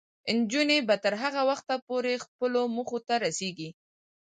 نجونې به تر هغه وخته پورې خپلو موخو ته رسیږي.